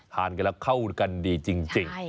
ทานกันแล้วเข้ากันดีจริง